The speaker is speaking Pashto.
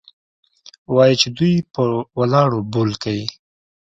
وايي چې دوى په ولاړو بول كيې؟